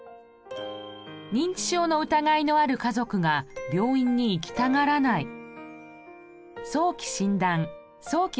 認知症の疑いのある家族が病院に行きたがらない。